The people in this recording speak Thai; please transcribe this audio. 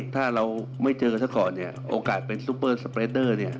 ถ้าเราไม่เจอกันเท่าก่อนเนี่ยโอกาสเป็นซูเปอร์สเปรดเดอร์เนี่ย